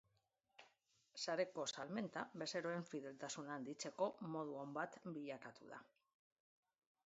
Sareko salmenta bezeroen fideltasuna handitzeko modu on bat bilakatu da.